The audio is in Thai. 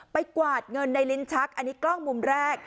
กวาดเงินในลิ้นชักอันนี้กล้องมุมแรก